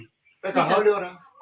pekah hal dia orang